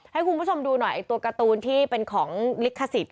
ให้คุณผู้ชมดูหน่อยตัวการ์ตูนที่เป็นของลิขสิทธิ